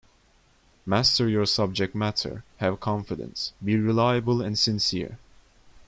Master your subject matter, have confidence, be reliable and sincere.